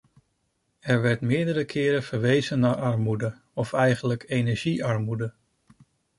Er werd meerdere keren verwezen naar armoede, of eigenlijk energiearmoede.